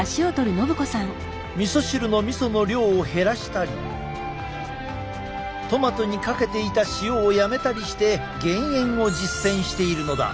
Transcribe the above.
みそ汁のみその量を減らしたりトマトにかけていた塩をやめたりして減塩を実践しているのだ。